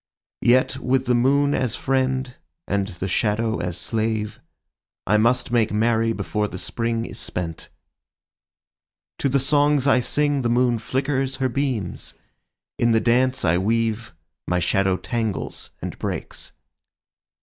Yet with the moon as friend and the shadow as slave I must make merry before the Spring is spent. To the songs I sing the moon flickers her beams; In the dance I weave my shadow tangles and breaks.